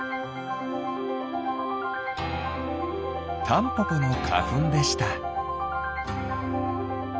タンポポのかふんでした。